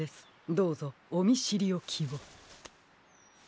どうぞおみしりおきを。